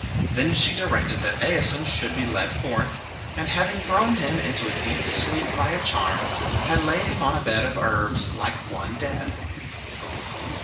Then she directed that Aeson should be led forth, and having thrown him into a deep sleep by a charm, had him laid on a bed of herbs, like one dead.